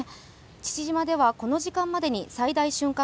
父島ではこの時間までに最大瞬間